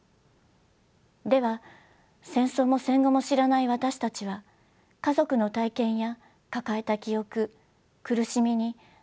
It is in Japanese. では戦争も戦後も知らない私たちは家族の体験や抱えた記憶苦しみにどう向き合えばよいのでしょう。